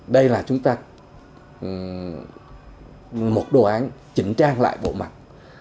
đây là chúng ta một đồ án chỉnh trang lại bộ mặt